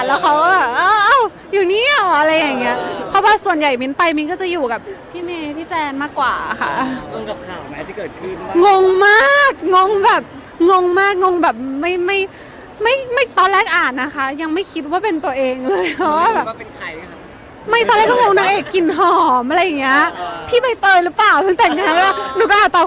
น่าน่าน่าน่าน่าน่าน่าน่าน่าน่าน่าน่าน่าน่าน่าน่าน่าน่าน่าน่าน่าน่าน่าน่าน่าน่าน่าน่าน่าน่าน่าน่าน่าน่าน่าน่าน่า